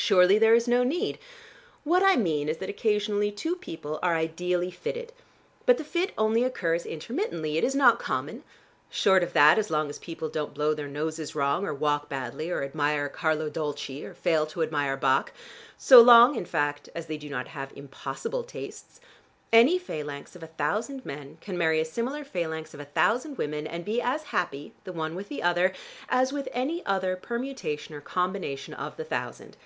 "Surely there is no need. What I mean is that occasionally two people are ideally fitted. But the fit only occurs intermittently: it is not common. Short of that, as long as people don't blow their noses wrong, or walk badly, or admire Carlo Dolci, or fail to admire Bach, so long, in fact, as they do not have impossible tastes, any phalanx of a thousand men can marry a similar phalanx of a thousand women, and be as happy, the one with the other, as with any other permutation or combination of the thousand.